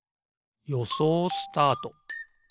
よそうスタート！